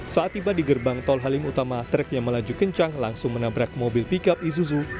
saat tiba di gerbang tol halim utama trek yang melaju kencang langsung menabrak mobil pickup isuzu